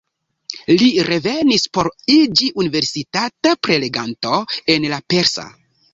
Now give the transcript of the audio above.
Li revenis por iĝi universitata preleganto en la persa.